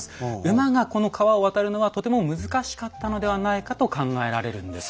馬がこの川を渡るのはとても難しかったのではないかと考えられるんです。